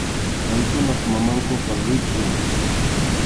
Paykunap mamankuqa ritʼim.